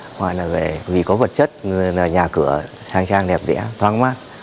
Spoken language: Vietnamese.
ngoài là vì có vật chất nhà cửa sang trang đẹp đẽ thoáng mát